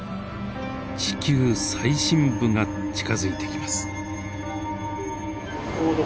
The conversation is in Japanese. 地球最深部が近づいてきます。